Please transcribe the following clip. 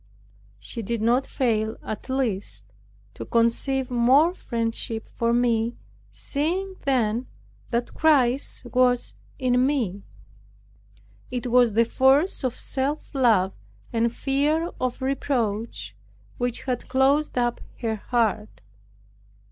She did not fail, at last, to conceive more friendship for me, seeing then that Christ was in me. It was the force of self love, and fear of reproach, which had closed up her heart.